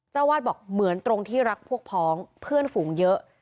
เจ้าวาดบอกเหมือนตรงที่รักพวกพ้องเพื่อนฝูงเยอะ